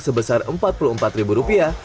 sebesar empat puluh empat ribu rupiah